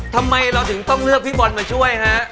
ทำไมเราถึงต้องเลือกพี่บอลมาช่วยฮะ